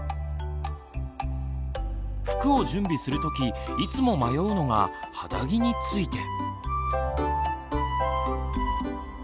服を準備する時いつも迷うのが肌着について。